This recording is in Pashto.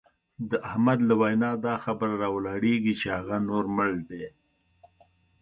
د احمد له وینا دا خبره را ولاړېږي چې هغه نور مړ دی.